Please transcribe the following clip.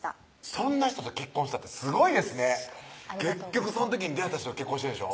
そんな人と結婚したってすごいですね結局その時に出会った人と結婚してるんでしょ？